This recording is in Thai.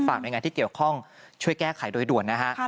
หน่วยงานที่เกี่ยวข้องช่วยแก้ไขโดยด่วนนะฮะ